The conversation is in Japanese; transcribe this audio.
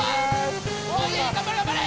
頑張れ頑張れ！